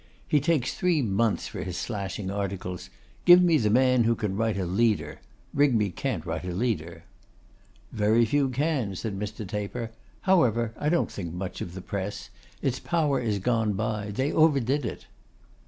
He takes three months for his slashing articles. Give me the man who can write a leader. Rigby can't write a leader.' 'Very few can,' said Mr. Taper. 'However, I don't think much of the press. Its power is gone by. They overdid it.